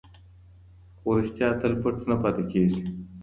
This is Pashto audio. خو رښتیا تل پټ نه پاتې کېږي.